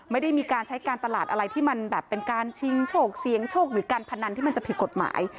ไม่ได้มีการใช้การตลาดอะไรที่มันแบบเป็นการชิงโชคเสียงโชคหรือการพนันที่มันจะผิดกฎหมาย